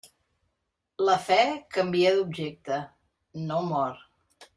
La fe canvia d'objecte, no mor.